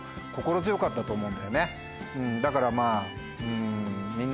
だからまぁ。